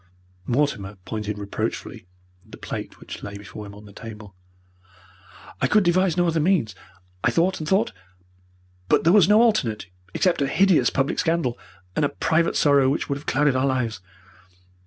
Mortimer pointed reproachfully at the plate which lay before him on the table. "I could devise no other means. I thought and thought, but there was no alternate except a hideous public scandal, and a private sorrow which would have clouded our lives.